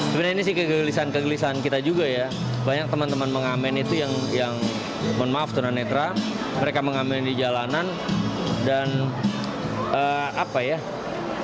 sebenarnya ini sih kegelisahan kegelisahan kita juga ya banyak teman teman pengamen itu yang mohon maaf tuna netra mereka pengamen di jalanan dan mereka itu kan punya cukup banyak tantangan ya rintangan di jalanan gitu